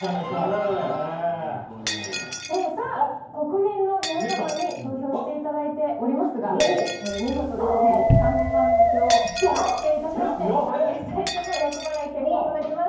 さあ、国民の皆様に投票していただいておりますが、見事ですね、３万票達成いたしまして、最初の厄払い決行となります。